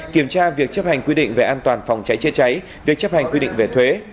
kiểm tra việc chấp hành quy định về an toàn phòng cháy chế cháy việc chấp hành quy định về thuế